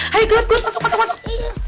hay gelet gelet masuk masuk